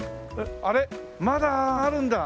あれまだあるんだ。